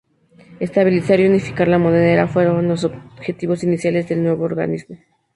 Estabilizar y unificar la moneda fueron los objetivos iniciales del nuevo organismo.